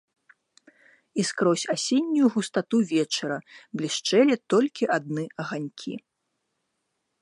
І скрозь асеннюю густату вечара блішчэлі толькі адны аганькі.